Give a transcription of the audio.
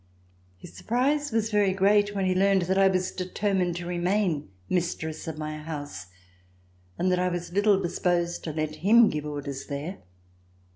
His surprise was very great when he learned that I was determined to remain mistress of my house and that I was little disposed to let him give orders there.